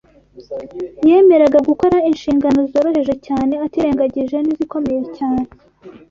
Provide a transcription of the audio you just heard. yemeraga gukora inshingano zoroheje cyane atirengagije n’izikomeye cyane